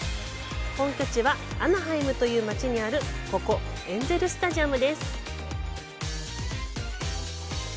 本拠地は、アナハイムという街にあるここ、エンゼル・スタジアムです。